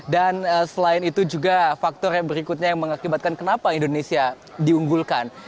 selain itu juga faktor yang berikutnya yang mengakibatkan kenapa indonesia diunggulkan